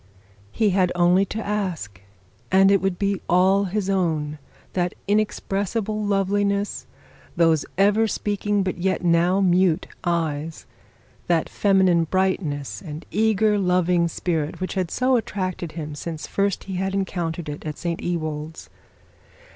He had only to ask and it would be all his own, that inexpressible loveliness, those ever speaking but yet now mute eyes, that feminine brightness and eager loving spirit which had so attracted him since first he had encountered it at St Ewold's.